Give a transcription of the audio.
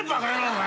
お前。